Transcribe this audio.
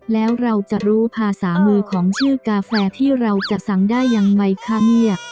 แล้วเราจะรู้ภาษามือของชื่อกาแฟที่เราจะสั่งได้ยังไงคะเนี่ย